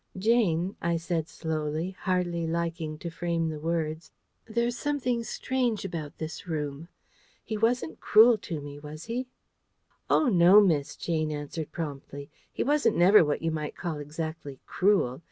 "Jane," I said slowly, hardly liking to frame the words, "there's something strange about this room. He wasn't cruel to me, was he?" "Oh! no, miss," Jane answered promptly. "He wasn't never what you might call exactly cruel.